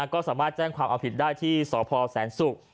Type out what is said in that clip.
ก็สามารถแจ้งความเอาผิดได้ที่สพแสนศุกร์